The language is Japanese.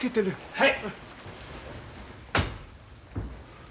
はい。